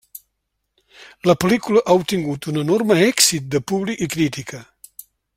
La pel·lícula ha obtingut un enorme èxit de públic i crítica.